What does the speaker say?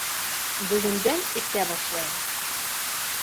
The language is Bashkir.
Бөгөндән эсә башлайым!